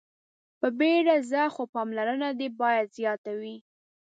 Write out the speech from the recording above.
په بيړه ځه خو پاملرنه دې باید زياته وي.